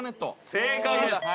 正解です。